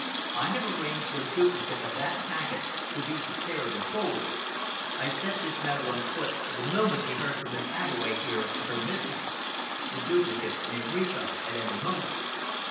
I have arranged for a duplicate of that packet to be prepared and forwarded. I set this matter on foot the moment we heard from Miss Abbeway here of her mishap. The duplicate may reach us at any moment."